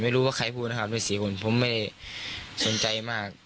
ไม่รู้ว่าใครพูดนะครับด้วย๔คนผมไม่ได้สนใจมาก